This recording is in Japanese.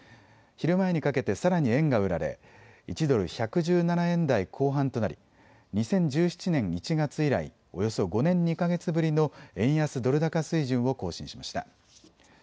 昼前にかけてさらに円が売られ１ドル１１７円台後半となり２０１７年１月以来、およそ５年２か月ぶりの円安ドル高水準を更新しました。